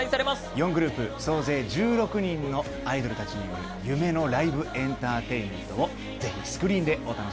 ４グループ総勢１６人のアイドルたちによる夢のライブエンターテインメントをぜひスクリーンでお楽しみください。